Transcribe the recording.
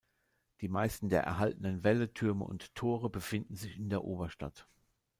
Die meisten der erhaltenen Wälle, Türme und Tore befinden sich in der Oberstadt.